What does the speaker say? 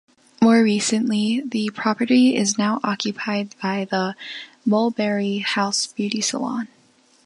More recently the property is now occupied by The Mulberry House Beauty Salon.